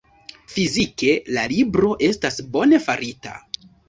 Fizike, la libro estas bone farita.